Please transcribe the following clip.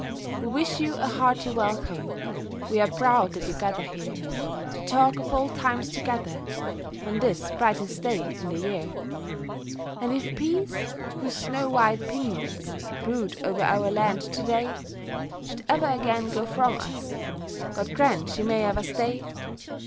We wish you a hearty welcome, We are proud that you gather here To talk of old times together On this brightest day in the year. And if Peace, whose snow white pinions Brood over our land to day, Should ever again go from us, (God grant she may ever stay!)